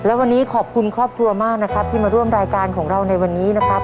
และวันนี้ขอบคุณครอบครัวมากนะครับที่มาร่วมรายการของเราในวันนี้นะครับ